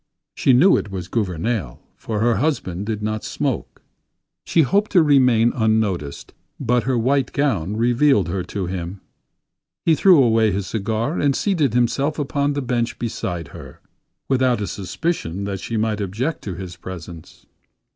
She knew it was Gouvernail, for her husband did not smoke. She hoped to remain unnoticed, but her white gown revealed her to him. He threw away his cigar and seated himself upon the bench beside her; without a suspicion that she might object to his presence.